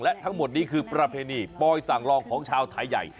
และทั้งหมดนี้คือประเพณีปอยสั่งลองของชาวไทยใหญ่